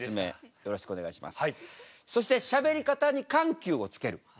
よろしくお願いします。